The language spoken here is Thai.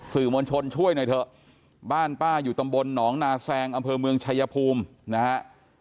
สื่อมวลชนช่วยหน่อยเถอะบ้านป้าอยู่ตำบลหนองนาแซงอำเภอเมืองชายภูมินะฮะ